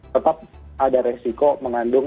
tetap ada resiko mengandung